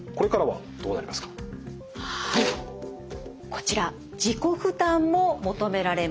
こちら自己負担も求められます。